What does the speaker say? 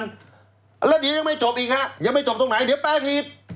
แล้วเดี๋ยวยังไม่จบอีกฮะยังไม่จบตรงไหนเดี๋ยวแปลผิด